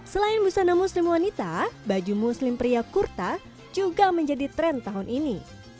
selain busana muslim wanita baju muslim pria kurta juga menjadi tren tahun ini